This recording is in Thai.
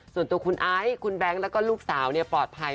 ส่วนตัวคุณไอซ์คุณแบงค์แล้วก็ลูกสาวปลอดภัย